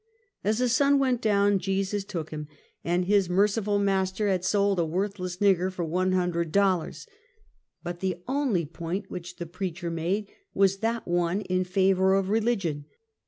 As the sun went down Jesus took liim, and his mer Habitations of Hoekid Ckuelty. 59 ciful master had sold a worthless nigger for one hun dred dollars. But, the only point which the preacher made, was that one in favor of religion.